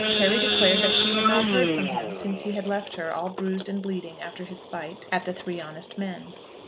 Carry declared that she had not heard from him since he left her all bruised and bleeding after his fight at the Three Honest Men.